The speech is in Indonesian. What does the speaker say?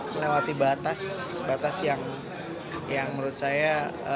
melewati batas batas yang menurut saya